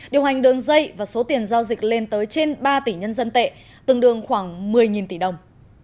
điều hành đường dây và số tiền giao dịch lên tới trên ba tỷ nhân dân tệ tương đương khoảng một mươi tỷ đồng